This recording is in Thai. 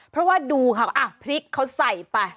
เพราะว่าดูค่ะพริกเขาใส่ไป